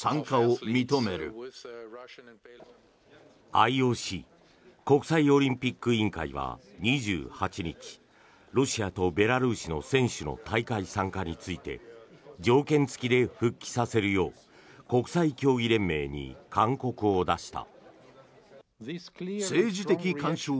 ＩＯＣ・国際オリンピック委員会は２８日ロシアとベラルーシの選手の大会参加について条件付きで復帰させるよう国際競技連盟に勧告を出した。